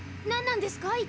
何なんですか？